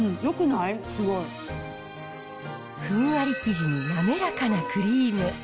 ふんわり生地に滑らかなクリーム。